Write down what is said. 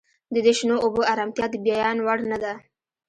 د دې شنو اوبو ارامتیا د بیان وړ نه ده